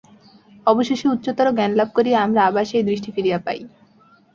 অবশেষে উচ্চতর জ্ঞানলাভ করিয়া আমরা আবার সেই দৃষ্টি ফিরিয়া পাই।